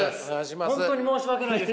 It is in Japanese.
本当に申し訳ないです